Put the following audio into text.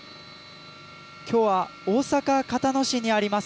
きょうは大阪、交野市にあります